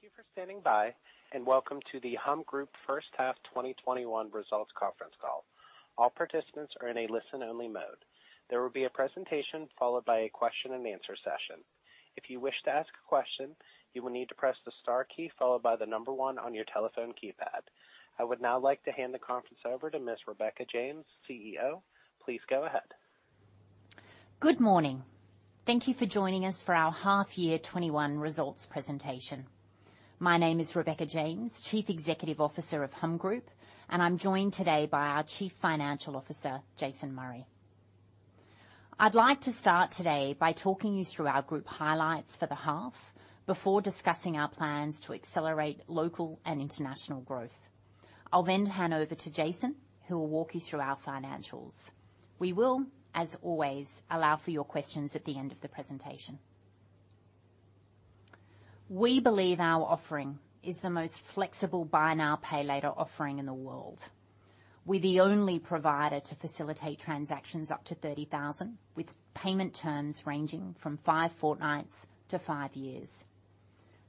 Thank you for standing by, and welcome to the Humm Group first half 2021 results conference call. All participants are in a listen-only mode. There will be a presentation followed by a question and answer session. If you wish to ask a question, you will need to press the star key followed by the number one on your telephone keypad. I would now like to hand the conference over to Ms. Rebecca James, CEO. Please go ahead. Good morning. Thank you for joining us for our half year 2021 results presentation. My name is Rebecca James, Chief Executive Officer of Humm Group, and I'm joined today by our Chief Financial Officer, Jason Murray. I'd like to start today by talking you through our group highlights for the half before discussing our plans to accelerate local and international growth. I'll then hand over to Jason, who will walk you through our financials. We will, as always, allow for your questions at the end of the presentation. We believe our offering is the most flexible Buy Now, Pay Later offering in the world. We're the only provider to facilitate transactions up to 30,000 with payment terms ranging from five fortnights to five years.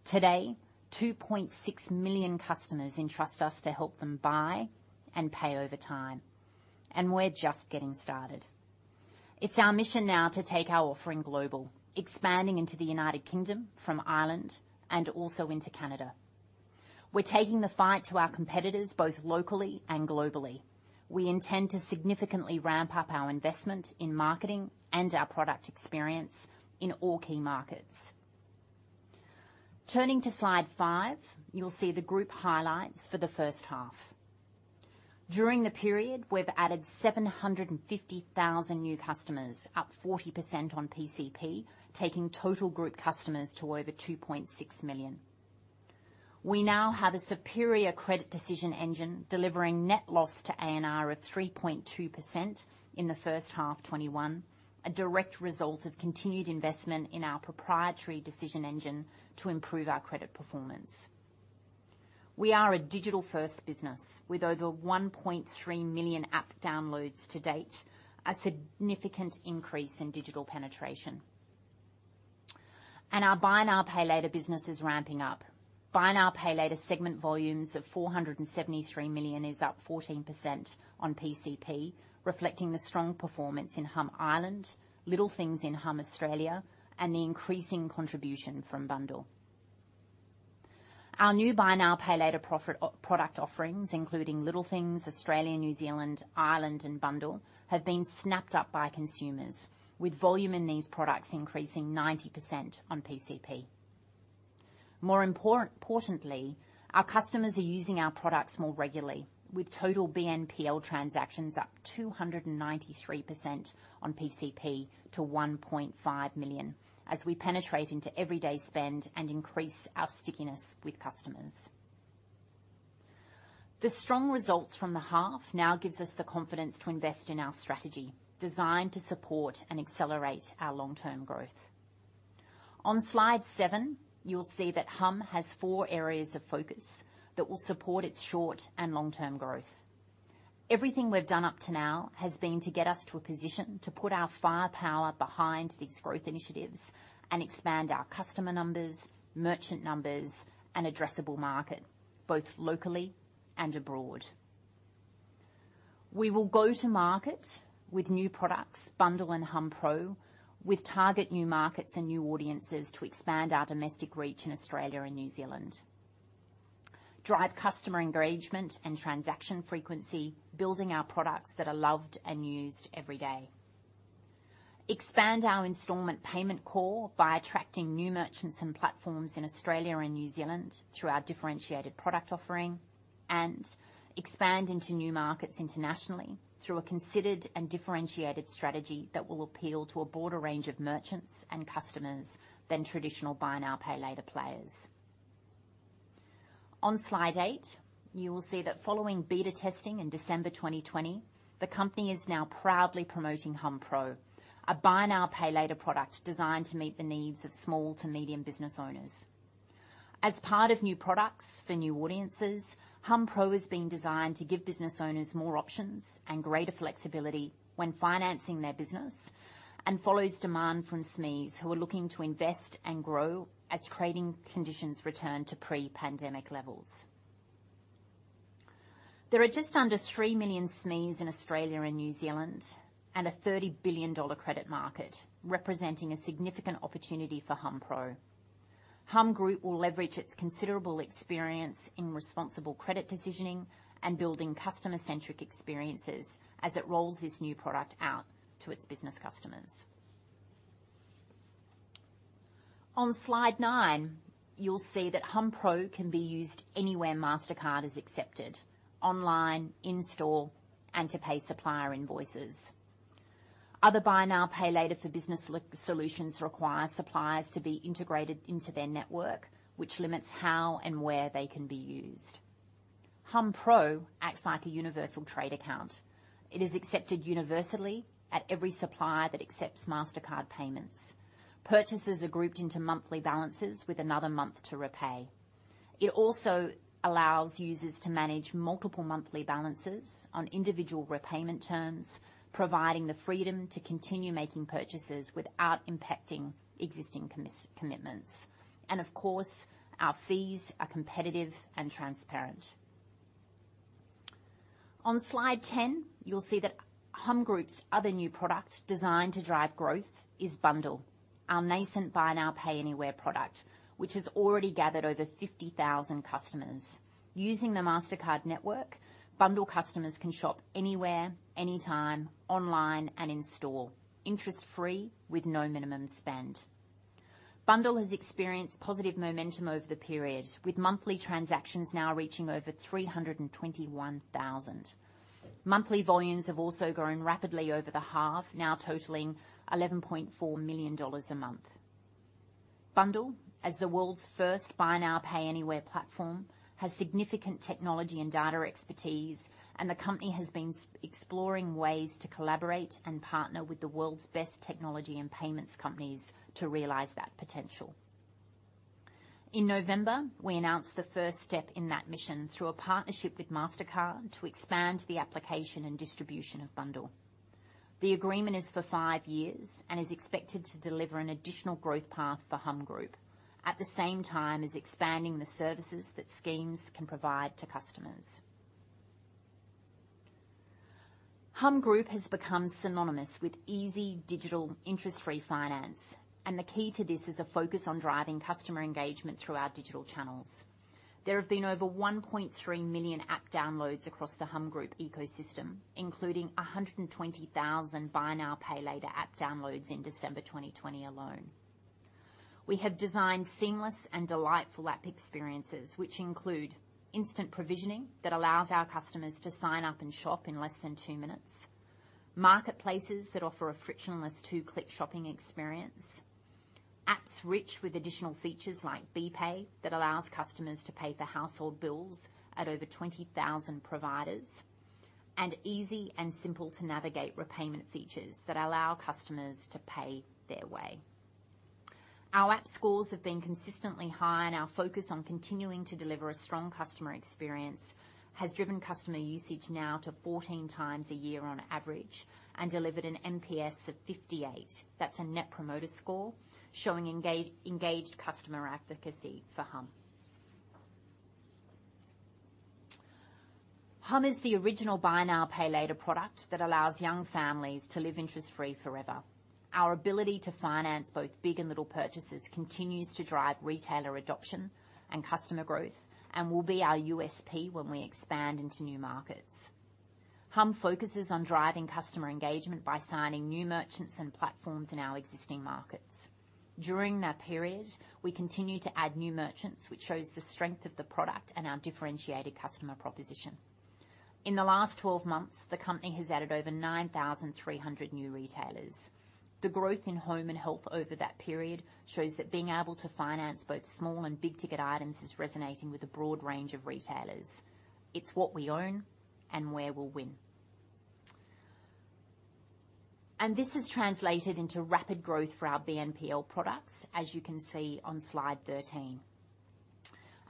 Today, 2.6 million customers entrust us to help them buy and pay over time. We're just getting started. It's our mission now to take our offering global, expanding into the United Kingdom from Ireland and also into Canada. We're taking the fight to our competitors, both locally and globally. We intend to significantly ramp up our investment in marketing and our product experience in all key markets. Turning to slide five, you'll see the group highlights for the first half. During the period, we've added 750,000 new customers, up 40% on PCP, taking total group customers to over 2.6 million. We now have a superior credit decision engine delivering net loss to ANR of 3.2% in the first half 2021, a direct result of continued investment in our proprietary decision engine to improve our credit performance. We are a digital-first business with over 1.3 million app downloads to date, a significant increase in digital penetration. Our Buy Now, Pay Later business is ramping up. Buy Now, Pay Later segment volumes of 473 million is up 14% on PCP, reflecting the strong performance in Humm Ireland, Humm Little Things in Humm Australia, and the increasing contribution from Bundll. Our new Buy Now, Pay Later product offerings, including Humm Little Things Australia, New Zealand, Ireland, and Bundll, have been snapped up by consumers with volume in these products increasing 90% on PCP. More importantly, our customers are using our products more regularly, with total BNPL transactions up 293% on PCP to 1.5 million as we penetrate into everyday spend and increase our stickiness with customers. The strong results from the half now gives us the confidence to invest in our strategy, designed to support and accelerate our long-term growth. On slide seven, you'll see that Humm has four areas of focus that will support its short and long-term growth. Everything we've done up to now has been to get us to a position to put our firepower behind these growth initiatives and expand our customer numbers, merchant numbers, and addressable market, both locally and abroad. We will go to market with new products, Bundll and hummpro, with target new markets and new audiences to expand our domestic reach in Australia and New Zealand. Drive customer engagement and transaction frequency, building our products that are loved and used every day. Expand our installment payment core by attracting new merchants and platforms in Australia and New Zealand through our differentiated product offering. Expand into new markets internationally through a considered and differentiated strategy that will appeal to a broader range of merchants and customers than traditional Buy Now, Pay Later players. On slide eight, you will see that following beta testing in December 2020, the company is now proudly promoting hummpro, a Buy Now, Pay Later product designed to meet the needs of small to medium business owners. As part of new products for new audiences, hummpro has been designed to give business owners more options and greater flexibility when financing their business and follows demand from SMEs who are looking to invest and grow as trading conditions return to pre-pandemic levels. There are just under 3 million SMEs in Australia and New Zealand and an 30 billion dollar credit market, representing a significant opportunity for hummpro. Humm Group will leverage its considerable experience in responsible credit decisioning and building customer-centric experiences as it rolls this new product out to its business customers. On slide nine, you'll see that hummpro can be used anywhere Mastercard is accepted, online, in-store, and to pay supplier invoices. Other Buy Now, Pay Later for business solutions require suppliers to be integrated into their network, which limits how and where they can be used. Hummpro acts like a universal trade account. It is accepted universally at every supplier that accepts Mastercard payments. Purchases are grouped into monthly balances with another month to repay. It also allows users to manage multiple monthly balances on individual repayment terms, providing the freedom to continue making purchases without impacting existing commitments. Of course, our fees are competitive and transparent. On slide 10, you'll see that Humm Group's other new product designed to drive growth is Bundll. Our nascent buy now, pay anywhere product, which has already gathered over 50,000 customers. Using the Mastercard network, Bundll customers can shop anywhere, anytime, online and in store, interest-free with no minimum spend. Bundll has experienced positive momentum over the period, with monthly transactions now reaching over 321,000. Monthly volumes have also grown rapidly over the half, now totaling 11.4 million dollars a month. Bundll, as the world's first buy now pay anywhere platform, has significant technology and data expertise, and the company has been exploring ways to collaborate and partner with the world's best technology and payments companies to realize that potential. In November, we announced the first step in that mission through a partnership with Mastercard to expand the application and distribution of Bundll. The agreement is for five years and is expected to deliver an additional growth path for Humm Group, at the same time as expanding the services that schemes can provide to customers. Humm Group has become synonymous with easy digital interest-free finance. The key to this is a focus on driving customer engagement through our digital channels. There have been over 1.3 million app downloads across the Humm Group ecosystem, including 120,000 Buy Now, Pay Later app downloads in December 2020 alone. We have designed seamless and delightful app experiences, which include instant provisioning that allows our customers to sign up and shop in less than two minutes. Marketplaces that offer a frictionless two-click shopping experience. Apps rich with additional features like BPAY that allows customers to pay for household bills at over 20,000 providers. Easy and simple to navigate repayment features that allow customers to pay their way. Our app scores have been consistently high, and our focus on continuing to deliver a strong customer experience has driven customer usage now to 14X a year on average, and delivered an NPS of 58. That's a net promoter score showing engaged customer advocacy for Humm. Humm is the original Buy Now, Pay Later product that allows young families to live interest-free forever. Our ability to finance both big and little purchases continues to drive retailer adoption and customer growth and will be our USP when we expand into new markets. Humm focuses on driving customer engagement by signing new merchants and platforms in our existing markets. During that period, we continued to add new merchants, which shows the strength of the product and our differentiated customer proposition. In the last 12 months, the company has added over 9,300 new retailers. The growth in home and health over that period shows that being able to finance both small and big ticket items is resonating with a broad range of retailers. It's what we own and where we'll win. This has translated into rapid growth for our BNPL products, as you can see on slide 13.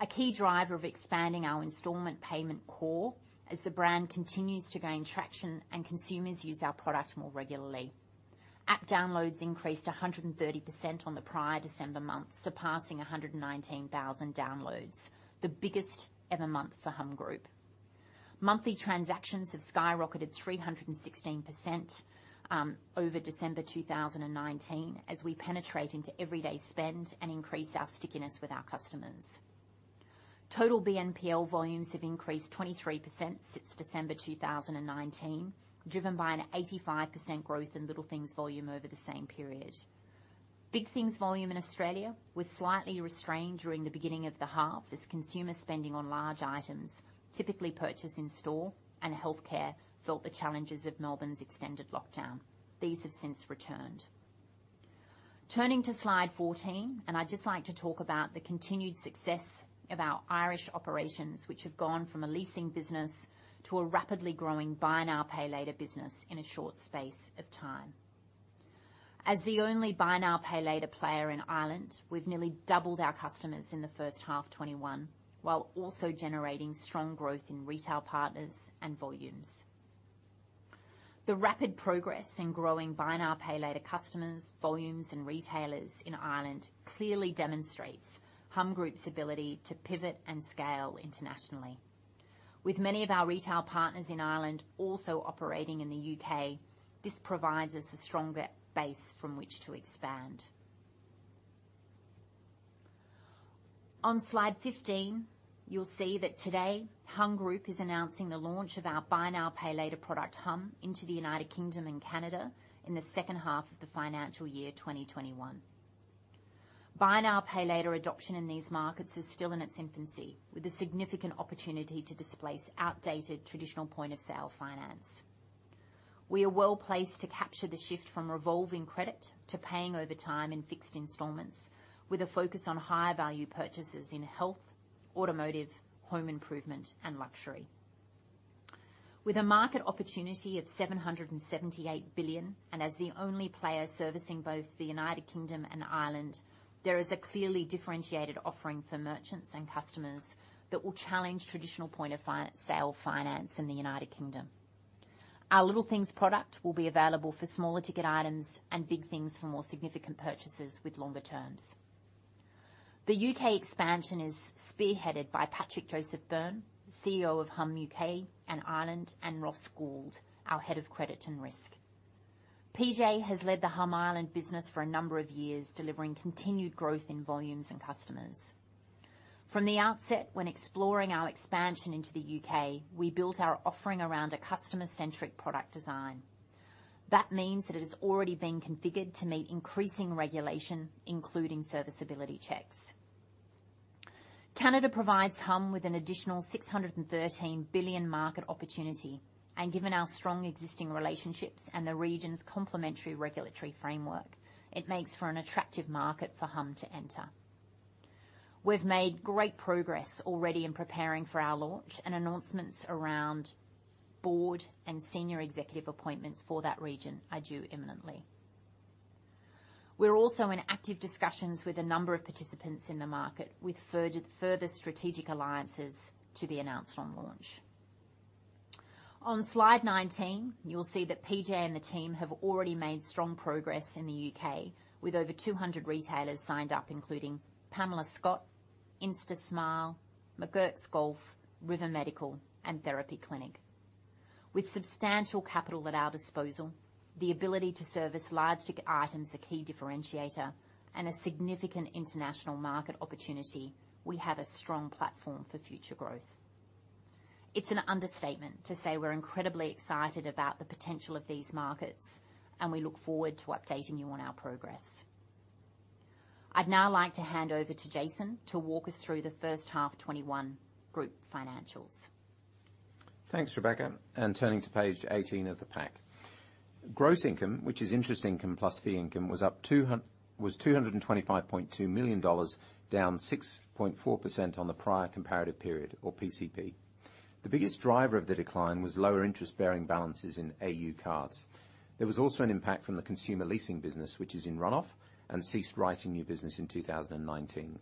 A key driver of expanding our installment payment core as the brand continues to gain traction and consumers use our product more regularly. App downloads increased 130% on the prior December month, surpassing 119,000 downloads. The biggest ever month for Humm Group. Monthly transactions have skyrocketed 316% over December 2019 as we penetrate into everyday spend and increase our stickiness with our customers. Total BNPL volumes have increased 23% since December 2019, driven by an 85% growth in Little Things volume over the same period. Big Things volume in Australia was slightly restrained during the beginning of the half as consumer spending on large items, typically purchased in-store and healthcare felt the challenges of Melbourne's extended lockdown. These have since returned. Turning to slide 14, I'd just like to talk about the continued success of our Irish operations, which have gone from a leasing business to a rapidly growing Buy Now, Pay Later business in a short space of time. As the only Buy Now, Pay Later player in Ireland, we've nearly doubled our customers in the first half 2021, while also generating strong growth in retail partners and volumes. The rapid progress in growing Buy Now, Pay Later customers, volumes, and retailers in Ireland clearly demonstrates Humm Group's ability to pivot and scale internationally. With many of our retail partners in Ireland also operating in the U.K., this provides us a stronger base from which to expand. On slide 15, you'll see that today Humm Group is announcing the launch of our Buy Now, Pay Later product Humm into the United Kingdom and Canada in the second half of the financial year 2021. Buy now, pay later adoption in these markets is still in its infancy, with a significant opportunity to displace outdated traditional point-of-sale finance. We are well-placed to capture the shift from revolving credit to paying over time in fixed installments, with a focus on higher value purchases in health, automotive, home improvement and luxury. With a market opportunity of 778 billion, and as the only player servicing both the United Kingdom and Ireland, there is a clearly differentiated offering for merchants and customers that will challenge traditional point-of-sale finance in the United Kingdom. Our Humm Little Things product will be available for smaller ticket items and Big Things for more significant purchases with longer terms. The U.K. expansion is spearheaded by Patrick Joseph Byrne, CEO of Humm UK and Ireland, and Ross Gould, our head of credit and risk. PJ has led the Humm Ireland business for a number of years, delivering continued growth in volumes and customers. From the outset when exploring our expansion into the U.K., we built our offering around a customer-centric product design. That means that it has already been configured to meet increasing regulation, including serviceability checks. Canada provides Humm with an additional 613 billion market opportunity, and given our strong existing relationships and the region's complementary regulatory framework, it makes for an attractive market for Humm to enter. We've made great progress already in preparing for our launch, and announcements around board and senior executive appointments for that region are due imminently. We're also in active discussions with a number of participants in the market with further strategic alliances to be announced on launch. On slide 19, you will see that PJ and the team have already made strong progress in the U.K. with over 200 retailers signed up, including Pamela Scott, Instasmile, McGuirks Golf, River Medical, and Therapie Clinic. With substantial capital at our disposal, the ability to service large ticket items, a key differentiator, and a significant international market opportunity, we have a strong platform for future growth. It's an understatement to say we're incredibly excited about the potential of these markets, and we look forward to updating you on our progress. I'd now like to hand over to Jason to walk us through the first half 2021 group financials. Thanks, Rebecca. Turning to page 18 of the pack. Gross income, which is interest income plus fee income, was 225.2 million dollars, down 6.4% on the prior comparative period, or PCP. The biggest driver of the decline was lower interest-bearing balances in AU Cards. There was also an impact from the consumer leasing business, which is in runoff and ceased writing new business in 2019.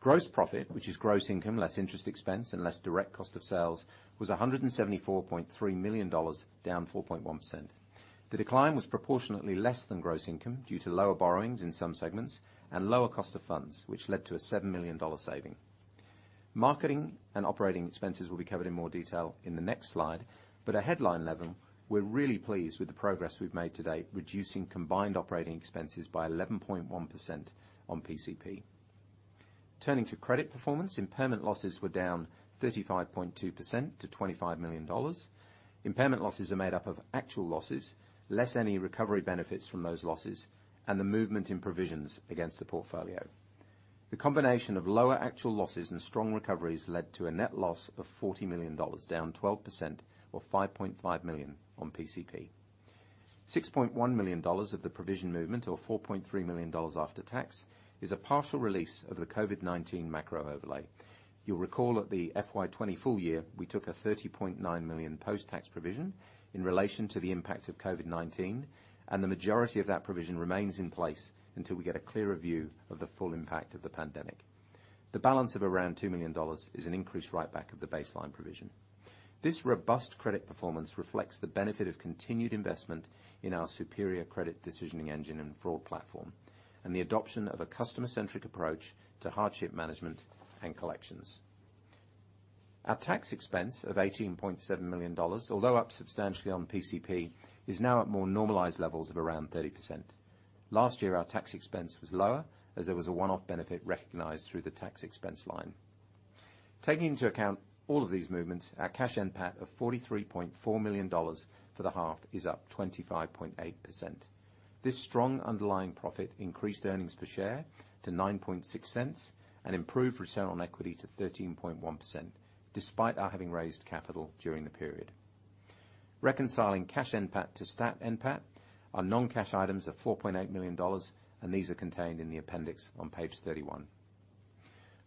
Gross profit, which is gross income less interest expense and less direct cost of sales, was 174.3 million dollars, down 4.1%. The decline was proportionately less than gross income due to lower borrowings in some segments and lower cost of funds, which led to a 7 million dollar saving. Marketing and operating expenses will be covered in more detail in the next slide, but at headline level, we're really pleased with the progress we've made to date, reducing combined operating expenses by 11.1% on PCP. Turning to credit performance, impairment losses were down 35.2% to 25 million dollars. Impairment losses are made up of actual losses, less any recovery benefits from those losses, and the movement in provisions against the portfolio. The combination of lower actual losses and strong recoveries led to a net loss of 40 million dollars, down 12% or 5.5 million on PCP. 6.1 million dollars of the provision movement, or 4.3 million dollars after tax, is a partial release of the COVID-19 macro overlay. You'll recall at the FY 2020 full year, we took a 30.9 million post-tax provision in relation to the impact of COVID-19, and the majority of that provision remains in place until we get a clearer view of the full impact of the pandemic. The balance of around 2 million dollars is an increased write-back of the baseline provision. This robust credit performance reflects the benefit of continued investment in our superior credit decisioning engine and fraud platform and the adoption of a customer-centric approach to hardship management and collections. Our tax expense of 18.7 million dollars, although up substantially on PCP, is now at more normalized levels of around 30%. Last year, our tax expense was lower as there was a one-off benefit recognized through the tax expense line. Taking into account all of these movements, our cash NPAT of 43.4 million dollars for the half is up 25.8%. This strong underlying profit increased earnings per share to 0.096 and improved return on equity to 13.1%, despite our having raised capital during the period. Reconciling cash NPAT to stat NPAT, our non-cash items are 4.8 million dollars, and these are contained in the appendix on page 31.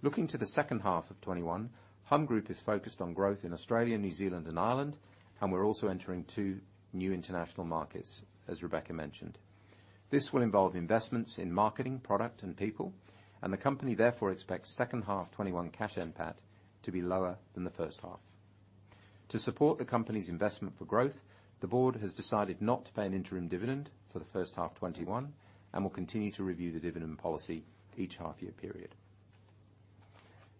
Looking to the second half of 2021, Humm Group is focused on growth in Australia, New Zealand, and Ireland, and we're also entering two new international markets, as Rebecca mentioned. This will involve investments in marketing, product, and people, and the company therefore expects second half 2021 cash NPAT to be lower than the first half. To support the company's investment for growth, the board has decided not to pay an interim dividend for the first half 2021 and will continue to review the dividend policy each half-year period.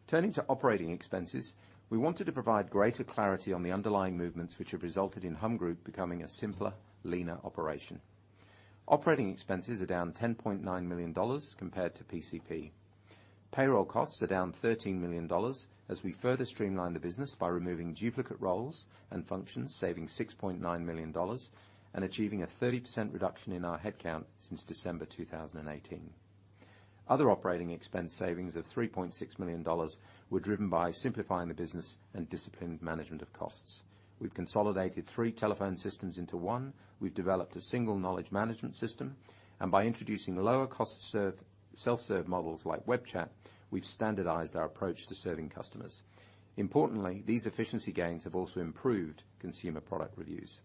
Turning to Operating Expenses, we wanted to provide greater clarity on the underlying movements, which have resulted in Humm Group becoming a simpler, leaner operation. Operating Expenses are down 10.9 million dollars compared to PCP. Payroll costs are down 13 million dollars as we further streamline the business by removing duplicate roles and functions, saving 6.9 million dollars and achieving a 30% reduction in our headcount since December 2018. Other operating expense savings of 3.6 million dollars were driven by simplifying the business and disciplined management of costs. We've consolidated three telephone systems into one. We've developed a single knowledge management system. By introducing lower cost self-serve models like web chat, we've standardized our approach to serving customers. Importantly, these efficiency gains have also improved consumer product reviews.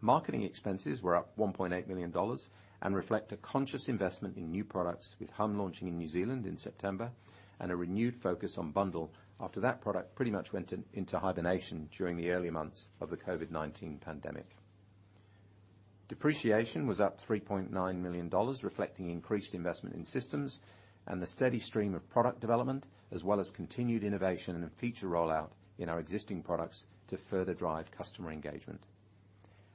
Marketing expenses were up 1.8 million dollars and reflect a conscious investment in new products, with Humm launching in New Zealand in September, and a renewed focus on Bundll after that product pretty much went into hibernation during the early months of the COVID-19 pandemic. Depreciation was up 3.9 million dollars, reflecting increased investment in systems and the steady stream of product development, as well as continued innovation and feature rollout in our existing products to further drive customer engagement.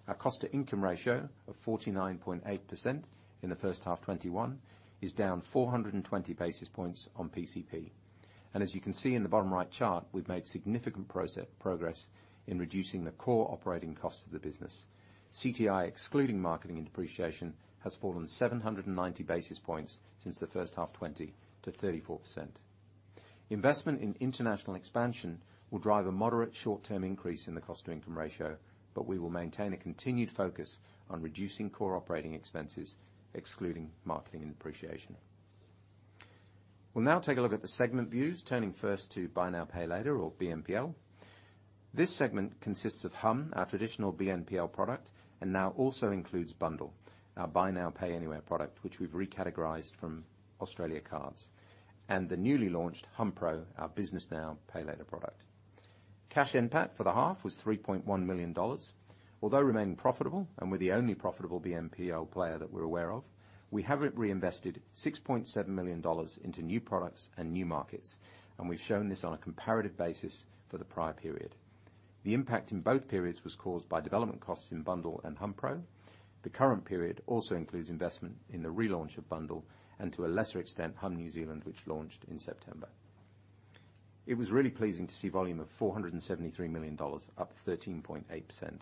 Our cost-to-income ratio of 49.8% in the first half 2021 is down 420 basis points on PCP. As you can see in the bottom right chart, we've made significant progress in reducing the core operating cost of the business. CTI, excluding marketing and depreciation, has fallen 790 basis points since the first half 2020 to 34%. Investment in international expansion will drive a moderate short-term increase in the cost-to-income ratio, but we will maintain a continued focus on reducing core operating expenses, excluding marketing and depreciation. We'll now take a look at the segment views, turning first to Buy Now, Pay Later, or BNPL. This segment consists of Humm, our traditional BNPL product, and now also includes Bundll, our buy now, pay anywhere product, which we've recategorized from Australia Cards, and the newly launched hummpro, our business now, pay later product. Cash NPAT for the half was 3.1 million dollars. Although remaining profitable, and we're the only profitable BNPL player that we're aware of, we have reinvested 6.7 million dollars into new products and new markets, and we've shown this on a comparative basis for the prior period. The impact in both periods was caused by development costs in Bundll and hummpro. The current period also includes investment in the relaunch of Bundll, and to a lesser extent, Humm New Zealand, which launched in September. It was really pleasing to see volume of 473 million dollars, up 13.8%.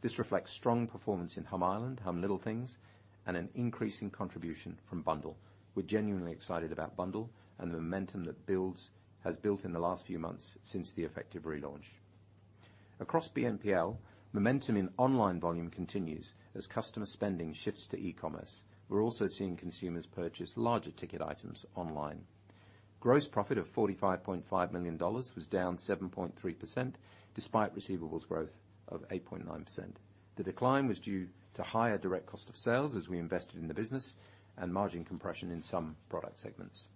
This reflects strong performance in Humm Ireland, Humm Little Things, and an increase in contribution from Bundll. We're genuinely excited about Bundll and the momentum that has built in the last few months since the effective relaunch. Across BNPL, momentum in online volume continues as customer spending shifts to e-commerce. We're also seeing consumers purchase larger ticket items online. Gross profit of 45.5 million dollars was down 7.3%, despite receivables growth of 8.9%. The decline was due to higher direct cost of sales as we invested in the business and margin compression in some product segments.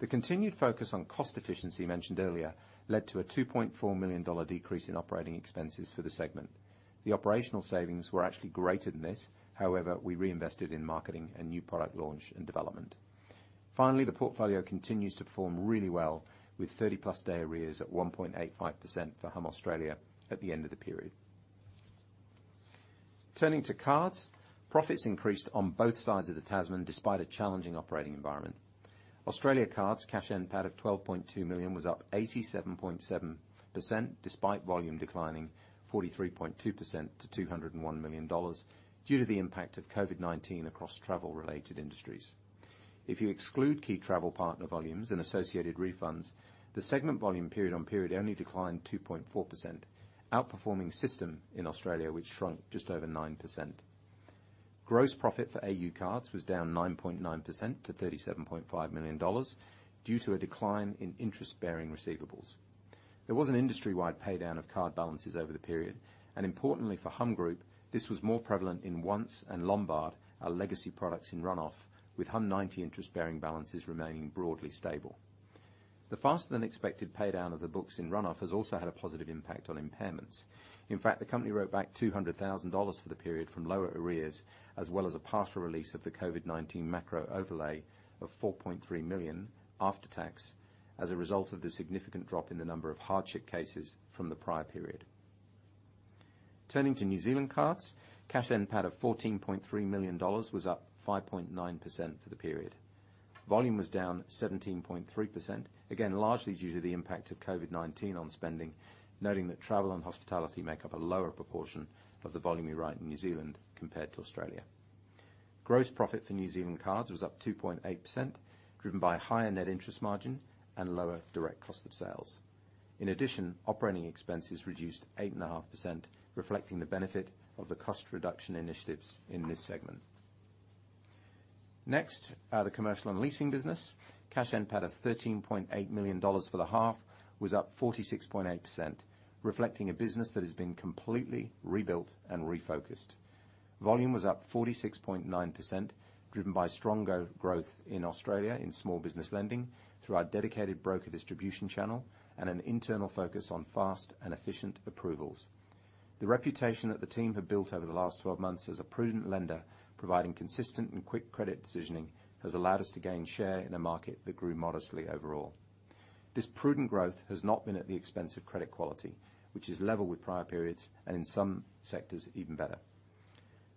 The continued focus on cost efficiency mentioned earlier led to a AUD 2.4 million decrease in operating expenses for the segment. However, we reinvested in marketing and new product launch and development. Finally, the portfolio continues to perform really well, with 30+ day arrears at 1.85% for Humm Australia at the end of the period. Turning to cards, profits increased on both sides of the Tasman despite a challenging operating environment. Australia Cards cash NPAT of 12.2 million was up 87.7%, despite volume declining 43.2% to AUD 201 million due to the impact of COVID-19 across travel-related industries. If you exclude key travel partner volumes and associated refunds, the segment volume period on period only declined 2.4%, outperforming system in Australia, which shrunk just over 9%. Gross profit for AU Cards was down 9.9% to 37.5 million dollars due to a decline in interest-bearing receivables. There was an industry-wide pay-down of card balances over the period, and importantly for Humm Group, this was more prevalent in Once and Lombard, our legacy products in run-off, with humm90 interest-bearing balances remaining broadly stable. The faster than expected pay-down of the books in run-off has also had a positive impact on impairments. In fact, the company wrote back 200,000 dollars for the period from lower arrears, as well as a partial release of the COVID-19 macro overlay of 4.3 million after tax, as a result of the significant drop in the number of hardship cases from the prior period. Turning to New Zealand Cards, cash NPAT of 14.3 million dollars was up 5.9% for the period. Volume was down 17.3%, again, largely due to the impact of COVID-19 on spending, noting that travel and hospitality make up a lower proportion of the volume we write in New Zealand compared to Australia. Gross profit for New Zealand Cards was up 2.8%, driven by a higher net interest margin and lower direct cost of sales. In addition, operating expenses reduced 8.5%, reflecting the benefit of the cost reduction initiatives in this segment. Next, the Commercial and Leasing business. Cash NPAT of 13.8 million dollars for the half was up 46.8%, reflecting a business that has been completely rebuilt and refocused. Volume was up 46.9%, driven by strong growth in Australia in small business lending through our dedicated broker distribution channel and an internal focus on fast and efficient approvals. The reputation that the team have built over the last 12 months as a prudent lender providing consistent and quick credit decisioning has allowed us to gain share in a market that grew modestly overall. This prudent growth has not been at the expense of credit quality, which is level with prior periods, and in some sectors, even better.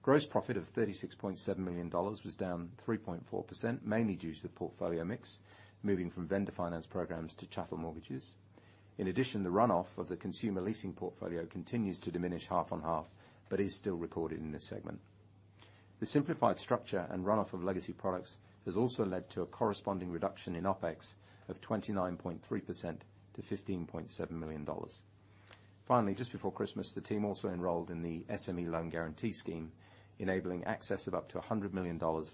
Gross profit of 36.7 million dollars was down 3.4%, mainly due to the portfolio mix, moving from vendor finance programs to chattel mortgages. In addition, the run-off of the consumer leasing portfolio continues to diminish half on half, but is still recorded in this segment. The simplified structure and run-off of legacy products has also led to a corresponding reduction in OpEx of 29.3% to 15.7 million dollars. Just before Christmas, the team also enrolled in the SME Loan Guarantee Scheme, enabling access of up to 100 million dollars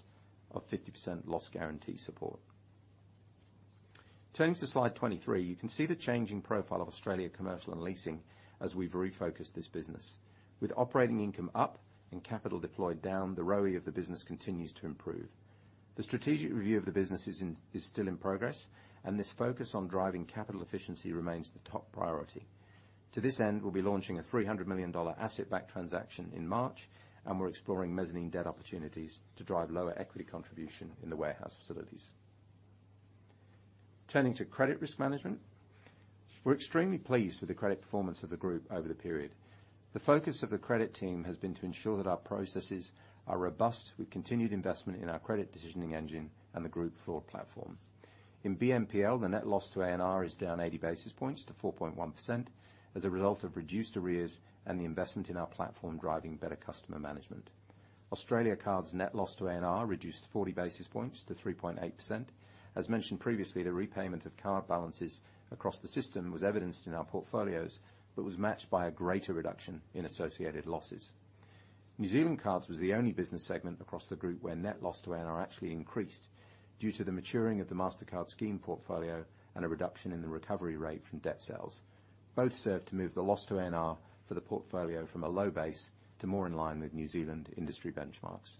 of 50% loss guarantee support. Turning to slide 23, you can see the changing profile of Australia Commercial and Leasing as we've refocused this business. With operating income up and capital deployed down, the ROE of the business continues to improve. The strategic review of the business is still in progress, this focus on driving capital efficiency remains the top priority. To this end, we'll be launching an 300 million dollar asset-backed transaction in March, and we're exploring mezzanine debt opportunities to drive lower equity contribution in the warehouse facilities. Turning to credit risk management. We're extremely pleased with the credit performance of the group over the period. The focus of the credit team has been to ensure that our processes are robust, with continued investment in our credit decisioning engine and the GroupThor platform. In BNPL, the net loss to ANR is down 80 basis points to 4.1% as a result of reduced arrears and the investment in our platform driving better customer management. Australia Cards' net loss to ANR reduced 40 basis points to 3.8%. As mentioned previously, the repayment of card balances across the system was evidenced in our portfolios, but was matched by a greater reduction in associated losses. New Zealand Cards was the only business segment across the group where net loss to A&R actually increased due to the maturing of the Mastercard scheme portfolio and a reduction in the recovery rate from debt sales. Both served to move the loss to A&R for the portfolio from a low base to more in line with New Zealand industry benchmarks.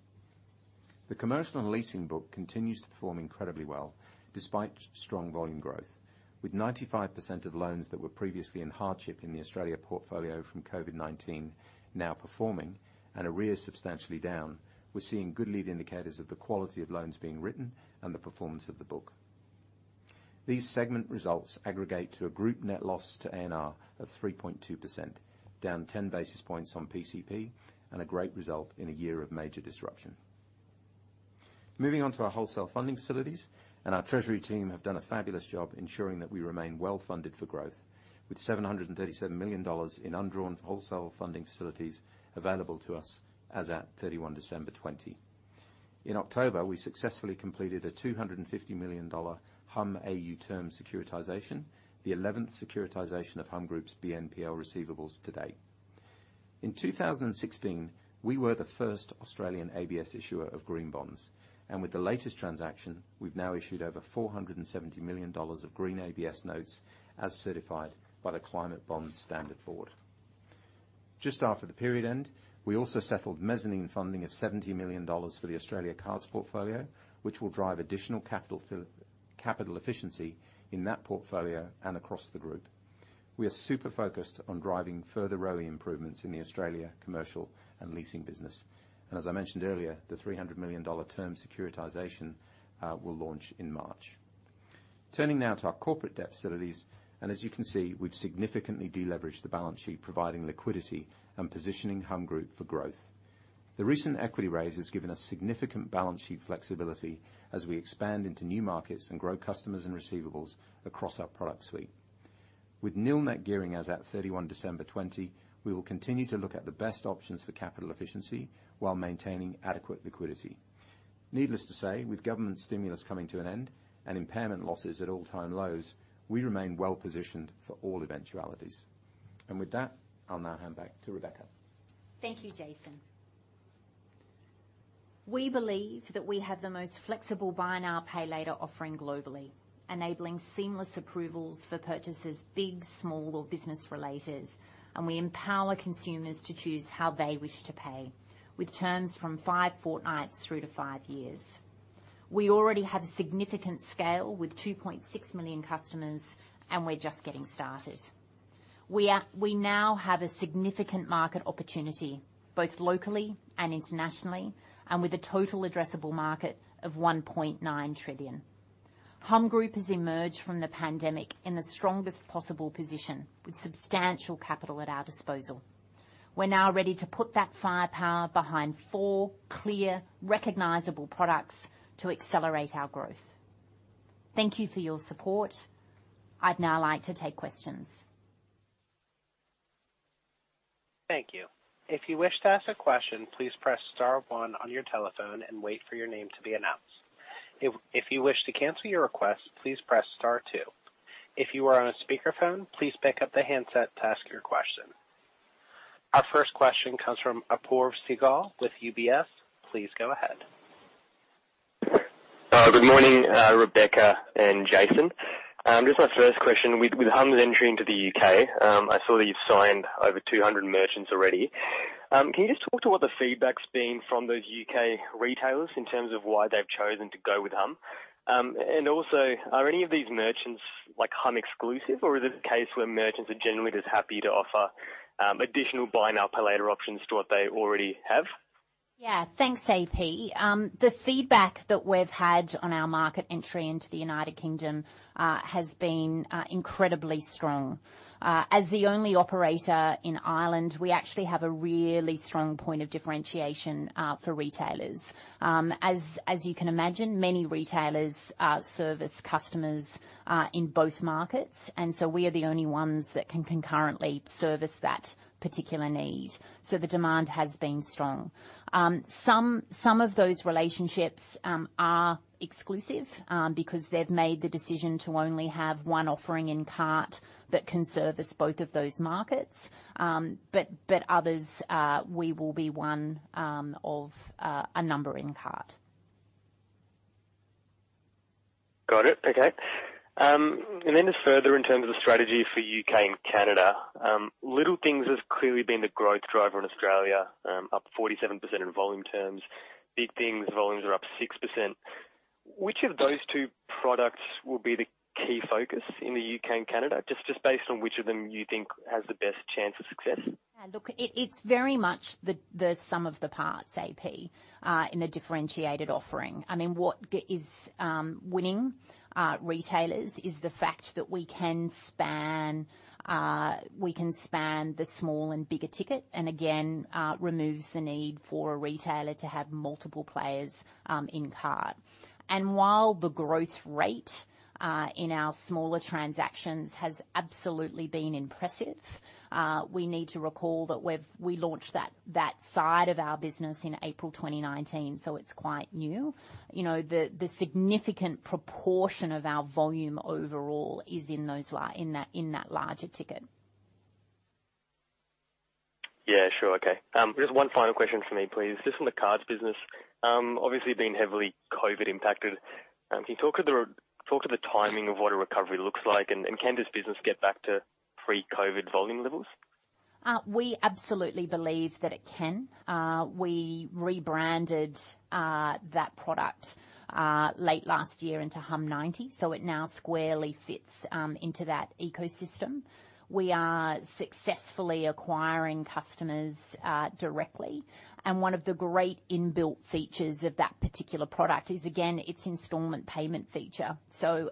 The commercial and leasing book continues to perform incredibly well despite strong volume growth. With 95% of loans that were previously in hardship in the Australia portfolio from COVID-19 now performing and arrears substantially down, we're seeing good lead indicators of the quality of loans being written and the performance of the book. These segment results aggregate to a group net loss to A&R of 3.2%, down 10 basis points on PCP, and a great result in a year of major disruption. Moving on to our wholesale funding facilities, our treasury team have done a fabulous job ensuring that we remain well-funded for growth, with 737 million dollars in undrawn wholesale funding facilities available to us as at December 31, 2020. In October, we successfully completed a 250 million dollar Humm AU term securitization, the 11th securitization of Humm Group's BNPL receivables to date. In 2016, we were the first Australian ABS issuer of green bonds, with the latest transaction, we've now issued over 470 million dollars of green ABS notes as certified by the Climate Bonds Standard Board. Just after the period end, we also settled mezzanine funding of 70 million dollars for the Australia Cards portfolio, which will drive additional capital efficiency in that portfolio and across the group. We are super focused on driving further ROE improvements in the Australia Commercial and Leasing business. As I mentioned earlier, the 300 million dollar term securitization will launch in March. Turning now to our corporate debt facilities, as you can see, we've significantly deleveraged the balance sheet, providing liquidity and positioning Humm Group for growth. The recent equity raise has given us significant balance sheet flexibility as we expand into new markets and grow customers and receivables across our product suite. With nil net gearing as at December 31, 2020, we will continue to look at the best options for capital efficiency while maintaining adequate liquidity. Needless to say, with government stimulus coming to an end and impairment losses at all-time lows, we remain well-positioned for all eventualities. With that, I'll now hand back to Rebecca. Thank you, Jason. We believe that we have the most flexible Buy Now, Pay Later offering globally, enabling seamless approvals for purchases big, small or business related. We empower consumers to choose how they wish to pay, with terms from five fortnights through to five years. We already have significant scale with 2.6 million customers, and we're just getting started. We now have a significant market opportunity, both locally and internationally, with a total addressable market of 1.9 trillion. Humm Group has emerged from the pandemic in the strongest possible position with substantial capital at our disposal. We're now ready to put that firepower behind four clear, recognizable products to accelerate our growth. Thank you for your support. I'd now like to take questions. Thank you. Our first question comes from Apoorv Sehgal with UBS. Please go ahead. Good morning, Rebecca and Jason. Just my first question. With Humm's entry into the U.K., I saw that you've signed over 200 merchants already. Can you just talk to what the feedback's been from those U.K. retailers in terms of why they've chosen to go with Humm? Are any of these merchants Humm exclusive, or is it a case where merchants are generally just happy to offer additional Buy Now, Pay Later options to what they already have? Yeah. Thanks, AP. The feedback that we've had on our market entry into the U.K. has been incredibly strong. As the only operator in Ireland, we actually have a really strong point of differentiation for retailers. As you can imagine, many retailers service customers in both markets. We are the only ones that can concurrently service that particular need. The demand has been strong. Some of those relationships are exclusive because they've made the decision to only have one offering in cart that can service both of those markets. Others, we will be one of a number in cart. Got it. Okay. Just further in terms of the strategy for U.K. and Canada, Little Things has clearly been the growth driver in Australia, up 47% in volume terms. Big Things volumes are up 6%. Which of those two products will be the key focus in the U.K. and Canada, just based on which of them you think has the best chance of success? Look, it's very much the sum of the parts, AP, in a differentiated offering. What is winning retailers is the fact that we can span the small and bigger ticket, and again, removes the need for a retailer to have multiple players in card. While the growth rate in our smaller transactions has absolutely been impressive, we need to recall that we launched that side of our business in April 2019, so it's quite new. The significant proportion of our volume overall is in that larger ticket. Yeah, sure. Okay. Just one final question from me, please. Just on the cards business, obviously been heavily COVID impacted. Can you talk to the timing of what a recovery looks like, and can this business get back to pre-COVID volume levels? We absolutely believe that it can. We rebranded that product late last year into humm90, so it now squarely fits into that ecosystem. We are successfully acquiring customers directly, and one of the great inbuilt features of that particular product is, again, its installment payment feature.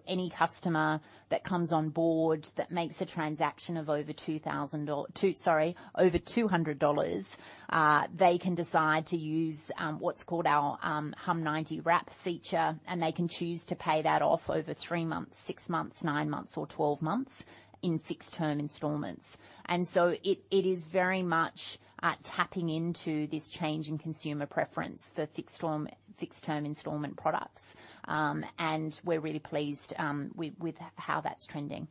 Any customer that comes on board that makes a transaction of over 2,000 dollars or, sorry, over 200 dollars, they can decide to use what's called our humm90 wrap feature, and they can choose to pay that off over three months, six months, nine months, or 12 months in fixed-term installments. It is very much tapping into this change in consumer preference for fixed-term installment products. We're really pleased with how that's trending.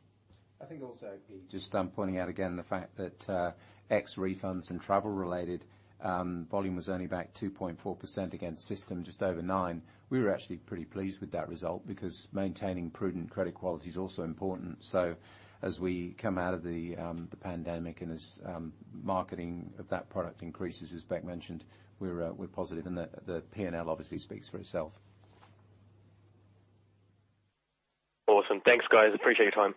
I think also, just pointing out again the fact that ex refunds and travel related volume was only back 2.4% against system just over nine. We were actually pretty pleased with that result because maintaining prudent credit quality is also important. As we come out of the pandemic and as marketing of that product increases, as Rebecca mentioned, we're positive and the P&L obviously speaks for itself. Awesome. Thanks, guys. Appreciate your time.